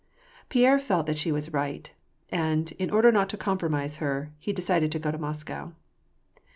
Pierre felt that she was right ; and, in order not to compro mise her, he decided to go to Moscow.